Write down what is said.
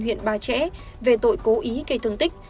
huyện ba trẻ về tội cố ý gây thương tích